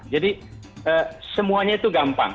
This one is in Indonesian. jadi semuanya itu gampang